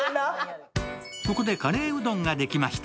ここでカレーうどんができました。